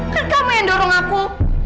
kan kamu yang dorong aku